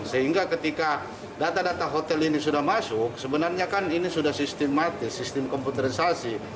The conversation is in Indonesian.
sehingga ketika data data hotel ini sudah masuk sebenarnya kan ini sudah sistematis sistem komputerisasi